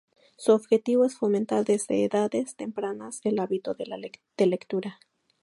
Su objetivo es fomentar desde edades tempranas el hábito de lectura.